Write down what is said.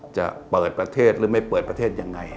จะเปิดประเทศหรือไม่เปิดประเทศยังไง